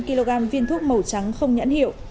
năm kg viên thuốc màu trắng không nhãn hiệu